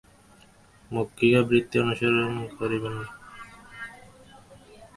মক্ষিকা-বৃত্তি অনুসরণ করিবেন না, মধুমক্ষিকার পথ ধরুন।